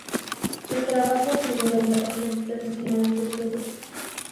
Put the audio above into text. Su trabajo figura en varias revistas nacionales del rubro.